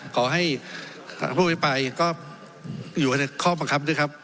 ขอให้คราวอู่ไปไปอยู่ในข้อประกรันบ้างครับ